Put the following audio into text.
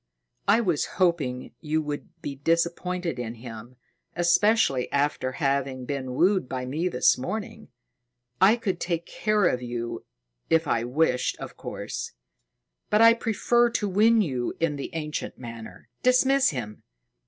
"I was hoping you would be disappointed in him, especially after having been wooed by me this morning. I could take you if I wished, of course; but I prefer to win you in the ancient manner. Dismiss him!"